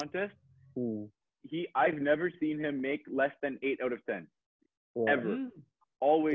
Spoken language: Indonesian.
saya tidak pernah melihat dia membuat delapan dari sepuluh